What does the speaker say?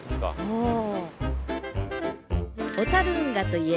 うん。